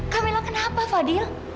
kamila kenapa fadil